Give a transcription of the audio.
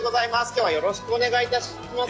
今日はよろしくお願いいたします。